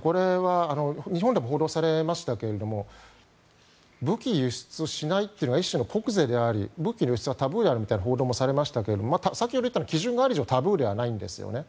これは日本でも報道されましたが武器輸出しないというのが一種の国是であり武器の輸出はタブーであるという報道がされましたが先ほど言ったとおり基準がある以上タブーではないんですよね。